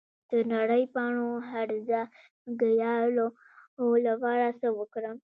د نرۍ پاڼو هرزه ګیاوو لپاره څه وکړم؟